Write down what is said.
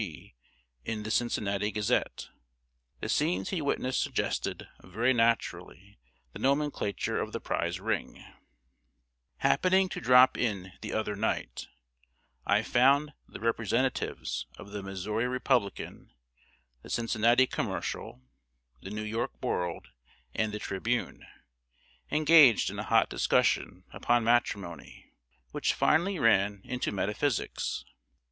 G." in The Cincinnati Gazette. The scenes he witnessed suggested, very naturally, the nomenclature of the prize ring: Happening to drop in the other night, I found the representatives of The Missouri Republican, The Cincinnati Commercial, The New York World, and The Tribune, engaged in a hot discussion upon matrimony, which finally ran into metaphysics.